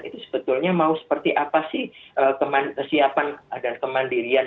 itu sebetulnya mau seperti apa sih kesiapan dan kemandirian